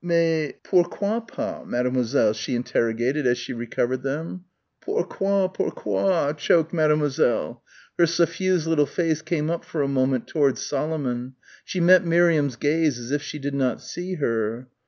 "Mais pour_quoi_ pas, Mademoiselle?" she interrogated as she recovered them. "Pourquoi, pourquoi!" choked Mademoiselle. Her suffused little face came up for a moment towards Solomon. She met Miriam's gaze as if she did not see her.